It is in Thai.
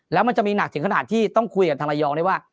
แล้วมันจะมีหนักถึงขนาดที่ต้องคุยกับทางระยองได้ว่า